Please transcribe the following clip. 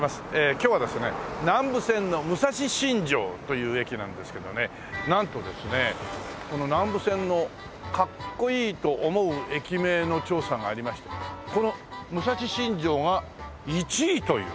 今日はですね南武線の武蔵新城という駅なんですけどねなんとですねこの南武線のかっこいいと思う駅名の調査がありましてこの武蔵新城が１位という。